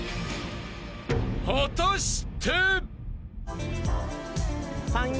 ［果たして？］